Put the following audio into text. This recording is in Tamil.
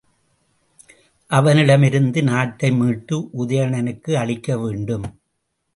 அவனிடமிருந்து நாட்டை மீட்டு உதயணனுக்கு அளிக்க வேண்டும்.